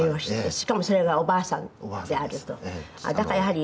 しかもそれがおばあさんであると。